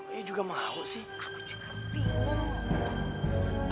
ayah juga mau sih